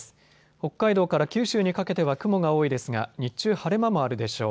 北海道から九州にかけては雲が多いですが日中晴れ間もあるでしょう。